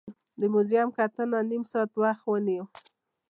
د موزیم کتنه نیم ساعت وخت ونیو.